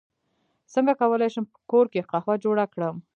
څنګه کولی شم په کور کې قهوه جوړه کړم